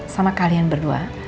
sama kalian berdua